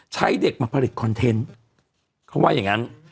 เด็กมาผลิตคอนเทนต์เขาว่าอย่างนั้น